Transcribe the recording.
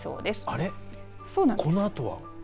あれ、このあとは。